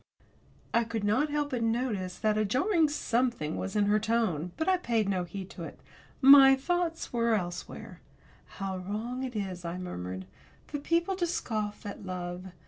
I could not help but notice that a jarring something was in her tone. But I paid no heed to it. My thoughts were elsewhere. "How wrong it is," I murmured, "for people to scoff at love.